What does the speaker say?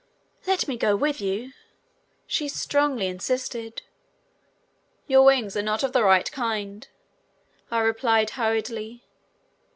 "Let me go with you," she strongly insisted. "Your wings are not of the right kind," I replied hurriedly.